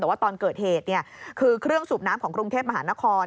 แต่ว่าตอนเกิดเหตุคือเครื่องสูบน้ำของกรุงเทพมหานคร